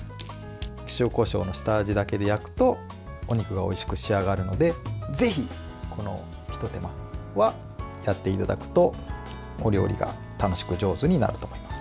塩、こしょうの下味だけで焼くとお肉がおいしく仕上がるのでぜひ、このひと手間はやっていただくとお料理が楽しく上手になると思います。